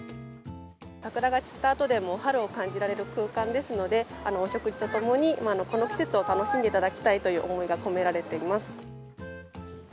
桜が散ったあとでも春を感じられる空間ですので、お食事とともにこの季節を楽しんでいただきたいという思いが込められています。